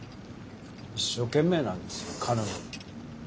一生懸命なんですよ彼女も。